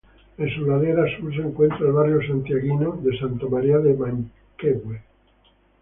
En su ladera sur se encuentra el barrio santiaguino de Santa María de Manquehue.